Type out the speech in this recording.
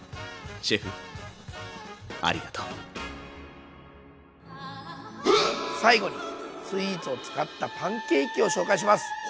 シェフありがとう最後にスイーツを使ったパンケーキを紹介します。